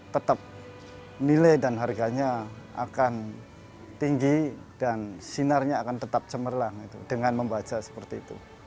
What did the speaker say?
tetap nilai dan harganya akan tinggi dan sinarnya akan tetap cemerlang dengan membaca seperti itu